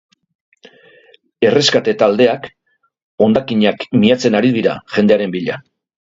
Erreskate-taldeak hondakinak miatzen ari dira, jendearen bila.